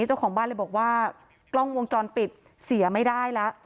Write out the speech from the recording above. เจ้าของบ้านเลยบอกว่ากล้องวงจรปิดเสียไม่ได้แล้ว